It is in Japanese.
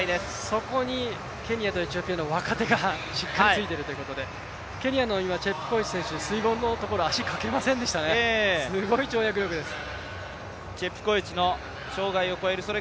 そこにケニアとエチオピアの若手がしっかりついているということでケニアのチェプコエチ選手、水濠のところ、足、かけませんでしたね、すごい跳躍力です。